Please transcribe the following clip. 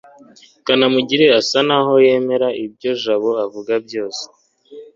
kanamugire asa naho yemera ibyo jabo avuga byose